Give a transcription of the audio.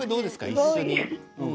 一緒に。